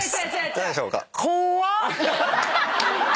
何でしょうか？